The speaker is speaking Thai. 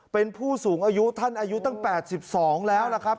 เป็นผู้สูงอายุท่านอายุตั้ง๘๒แล้วนะครับ